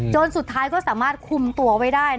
จนก็ก็สามารถคุมตัวไว้ได้